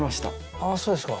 ああそうですか。